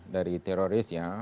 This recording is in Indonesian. dari teroris ya